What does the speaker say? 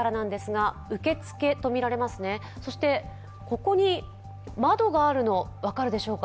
ここに窓があるのが分かるでしょうか。